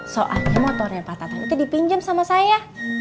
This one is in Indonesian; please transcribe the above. soalnya motornya pak tatang itu dipinjam sama saya